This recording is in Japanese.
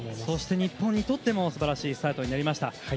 そして日本にとってもすばらしいスタートになりました。